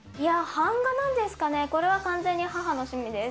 版画なんですかね、これは完全に母の趣味です。